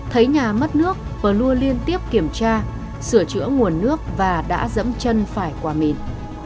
thấy nhà mất nước pờ lua liên tiếp kiểm tra sửa chữa nguồn nước và đã dẫm chân phải quả mìn